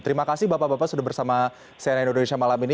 terima kasih bapak bapak sudah bersama cnn indonesia malam ini